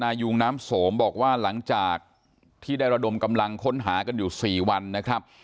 นายุงน้ำโสมบอกว่าหลังจากที่ได้ระดมกำลังค้นหากันอยู่๔วันนะครับ